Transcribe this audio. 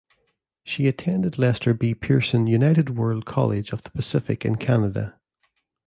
She attended Lester B. Pearson United World College of the Pacific in Canada.